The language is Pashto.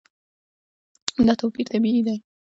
دا توپیر طبیعي دی.